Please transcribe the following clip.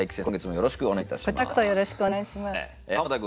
よろしくお願いします。